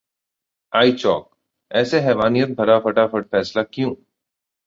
iChowk: ऐसा हैवानियत भरा फटाफट फैसला क्यों?